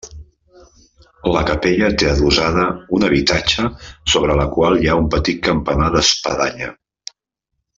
La capella té adossada un habitatge sobre la qual hi ha un petit campanar d'espadanya.